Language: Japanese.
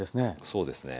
そうですね。